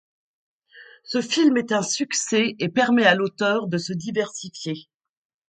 Ce film est un succès et permet à l’auteur de se diversifier.